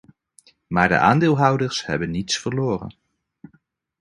Maar de aandeelhouders hebben niets verloren.